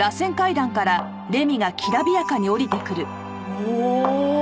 おお！